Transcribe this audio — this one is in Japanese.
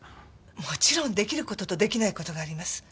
もちろんできる事とできない事があります。